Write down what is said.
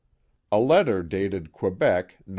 A letter dated Quebec, Nov.